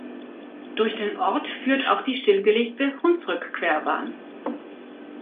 Durch den Ort führt auch die stillgelegte Hunsrückquerbahn.